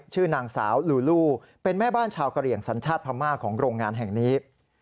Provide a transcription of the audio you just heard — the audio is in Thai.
ชื่อนางสาวลูลูเป็นแม่บ้านชาวกะเหลี่ยงสัญชาติพม่าของโรงงานแห่งนี้